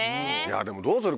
でもどうする？